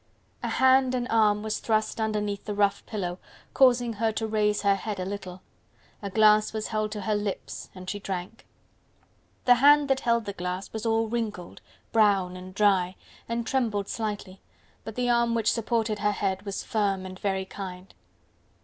A hand and arm was thrust underneath the rough pillow, causing her to raise her head a little. A glass was held to her lips and she drank. The hand that held the glass was all wrinkled, brown and dry, and trembled slightly, but the arm which supported her head was firm and very kind.